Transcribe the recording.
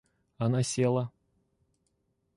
Она села.